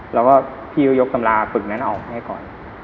แล้วก็พี่ก็ยกตำราฝึกนั้นออกให้ก่อน